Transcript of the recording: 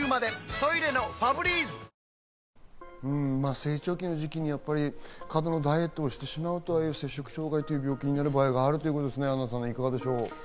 成長期の時期に過度のダイエットをしてしまうと摂食障害という病気になる場合があるということですね、アンナさん。